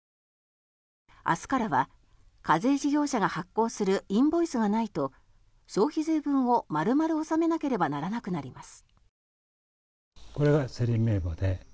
明日からは課税事業者が発行するインボイスがないと消費税分を丸々納めなければならなくなります。